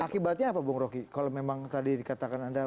akibatnya apa bung roky kalau memang tadi dikatakan anda